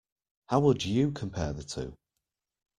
How would you compare the two?